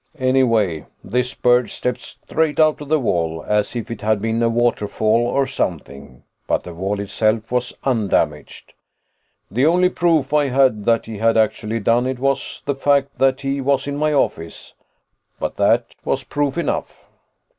"Anyway, this bird stepped straight out of the wall as if it had been a waterfall or something, but the wall itself was undamaged. The only proof I had that he had actually done it was the fact that he was in my office, but that was proof enough.